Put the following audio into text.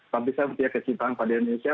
tapi saya punya kecintaan pada indonesia